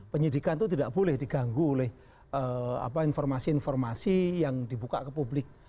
penyidikan itu tidak boleh diganggu oleh informasi informasi yang dibuka ke publik